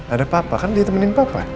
ada papa kan dia temenin papa